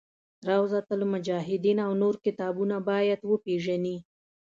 روضة المجاهدین او نور کتابونه باید وپېژني.